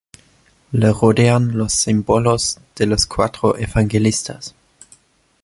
Le rodean los símbolos de los cuatro evangelistas.